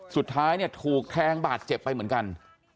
สุดท้ายเนี่ยถูกแทงบาดเจ็บไปเหมือนกัน